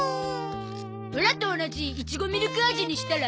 オラと同じイチゴミルク味にしたら？